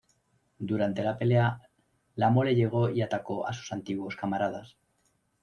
Durante la pelea, la Mole llegó y atacó a sus antiguos camaradas.